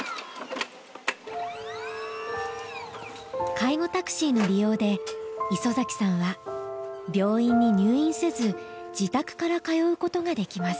介護タクシーの利用で磯崎さんは病院に入院せず自宅から通うことができます。